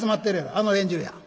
あの連中や。